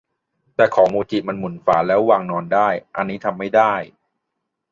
แต่ของมูจิมันหมุนปิดฝาแล้ววางนอนได้ อันนี้ทำไม่ได้